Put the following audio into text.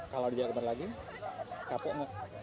kalau di jalan kembali lagi capek gak